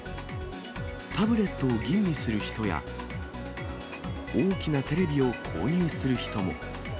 タブレットを吟味する人や、大きなテレビを購入する人も。